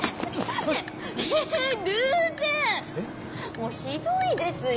もうひどいですよ